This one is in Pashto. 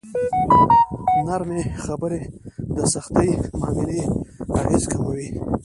نرمې خبرې د سختې معاملې اغېز کموي.